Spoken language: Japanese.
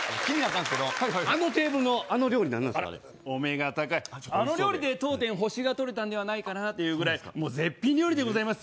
あのテーブルのあの料理何なんですかあれお目が高いあの料理で当店星がとれたんではないかというぐらい絶品料理でございます